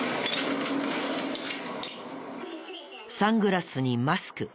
サングラスにマスク